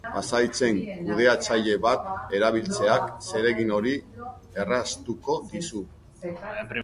Pasahitzen kudeatzaile bat erabiltzeak zeregin hori erraztuko dizu.